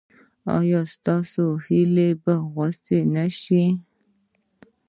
ایا ستاسو هیله به غوڅه نشي؟